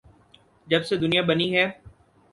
جب سے دنیا بنی ہے۔